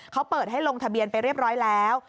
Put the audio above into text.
เขาเปิดให้ลงทะเบียนไปเรียบร้อยแล้ว